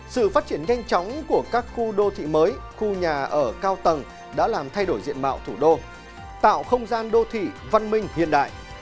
sự phát triển nhanh chóng của các khu đô thị mới khu nhà ở cao tầng đã làm thay đổi diện mạo thủ đô tạo không gian đô thị văn minh hiện đại